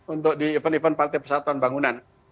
untuk di event event partai persatuan bangunan